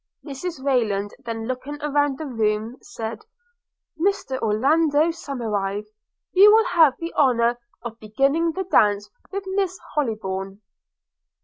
Mrs Rayland, then looking around the room, said, 'Mr Orlando Somerive, you will have the honour of beginning the dance with Miss Hollybourn.'